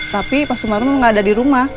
tapi pak sumarno memang nggak ada di rumah